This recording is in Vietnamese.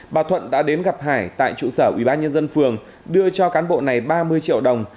bà thuận đã đến gặp hải tại trụ sở ủy ban nhân dân phường đưa cho cán bộ này ba mươi triệu đồng